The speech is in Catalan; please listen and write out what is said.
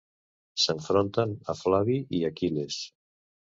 S'enfronten a Flavi i Aquil·les.